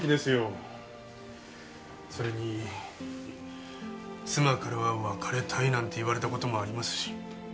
それに妻からは「別れたい」なんて言われた事もありますし。